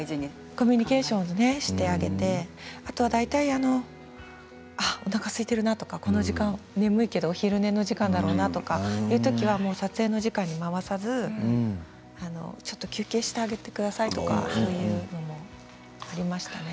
コミュニケーションしてあげてあとは大体おなかすいているかなとかこの時間眠いけど昼寝の時間だろうなという時は撮影の時間に回さずちょっと休憩してあげてくださいとかそういうのもありましたね。